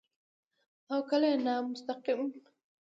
او کله يې نامستقيم